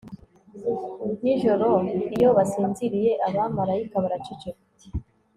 Nijoro iyo basinziriye abamarayika baraceceka